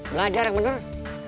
belajar yang bener